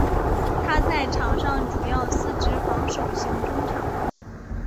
他在场上主要司职防守型中场。